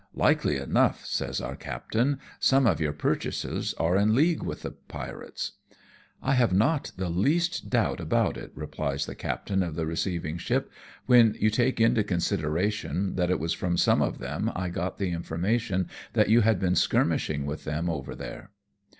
"Likely enough,'^ says our captain ;" some of your purchasers are in league with the pirates." " I have not the least doubt about it," replies the captain of the receiving ship, " when you take into consideration that it was from some of them I got the information that you had been skirmishing with them over there.